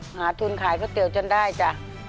หาทุนขายก๋วยเตี๋ยวจนได้จ้ะ